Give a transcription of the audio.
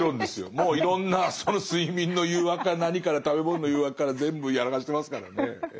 もういろんな睡眠の誘惑から何から食べ物の誘惑から全部やらかしてますからねええ。